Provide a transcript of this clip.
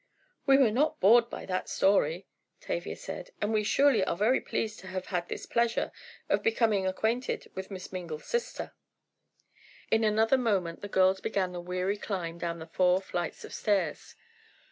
"We were not bored by that story," Tavia said, "and we surely are very pleased to have had this pleasure of becoming acquainted with Miss Mingle's sister." In another moment the girls began the weary climb down the four flights of stairs.